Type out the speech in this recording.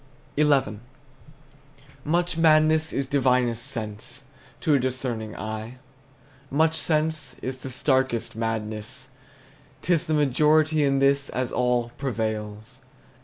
XI. Much madness is divinest sense To a discerning eye; Much sense the starkest madness. 'T is the majority In this, as all, prevails.